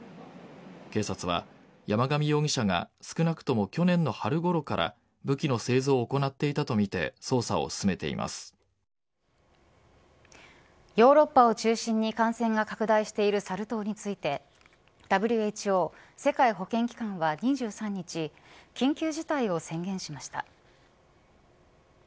警察は山上容疑者が少なくとも去年の春ごろから武器の製造を行っていたとみてヨーロッパを中心に感染が拡大しているサル痘についてＷＨＯ世界保健機関は２３日緊急事態を宣言しました。